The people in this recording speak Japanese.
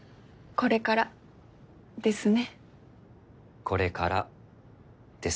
これからですね。